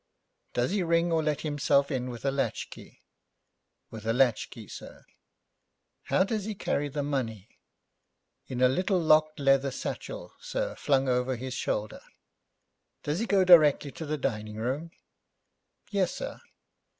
'Does he ring, or let himself in with a latchkey?' 'With a latchkey, sir.' 'How does he carry the money?' 'In a little locked leather satchel, sir, flung over his shoulder.' 'Does he go direct to the dining room?' 'Yes, sir.'